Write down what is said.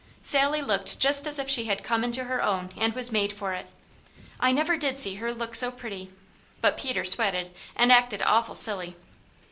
Sally looked just as if she had come into her own and was made for it; I never did see her look so pretty, but Peter sweated and acted awful silly.